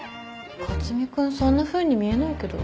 克巳君そんなふうに見えないけど。